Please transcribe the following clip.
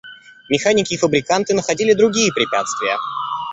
Механики и фабриканты находили другие препятствия.